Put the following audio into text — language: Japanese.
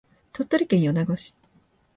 鳥取県米子市